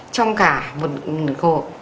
trong cả một ngồi